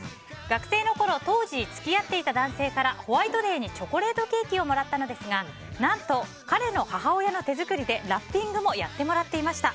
学生のころ当時付き合っていた男性からホワイトデーにチョコレートケーキをもらったのですが何と、彼の母親の手作りでラッピングもやってもらっていました。